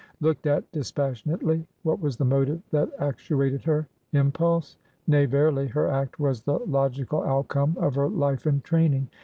Looked at dispassionately, what was the motive that actuated her? Impulse? Nay, verily! her act was the logical outcome of her life and training.